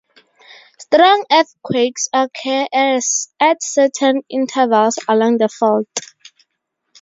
Strong earthquakes occur at certain intervals along the fault.